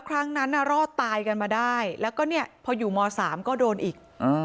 ครั้งนั้นรอดตายกันมาได้แล้วก็เนี่ยพออยู่ม๓ก็โดนอีก